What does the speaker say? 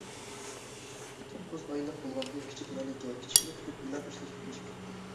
توققۇز ئايلىق بولغان بۇ كىچىك مەلىكە كىچىكلا تۇرۇپ ئېلان ئىشلەشكە كىرىشىپ كەتكەن.